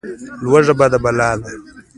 لوږه بده بلا ده.